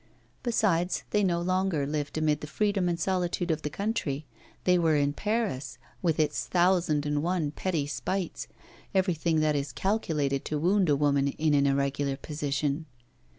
Besides, they no longer lived amid the freedom and solitude of the country; they were in Paris, with its thousand and one petty spites, everything that is calculated to wound a woman in an irregular position.